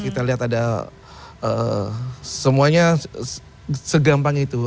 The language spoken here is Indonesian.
kita lihat ada semuanya segampang itu